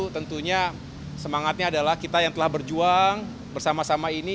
tentunya semangatnya adalah kita yang telah berjuang bersama sama ini